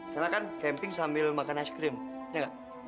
karena kan camping sambil makan es krim ya gak